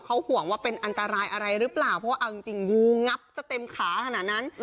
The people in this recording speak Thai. เขาห่วงว่าเป็นอันตรายอะไรหรือเปล่าเพราะว่าเอาจริงงูงับจะเต็มขาขนาดนั้น